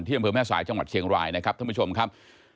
อำเภอแม่สายจังหวัดเชียงรายนะครับท่านผู้ชมครับ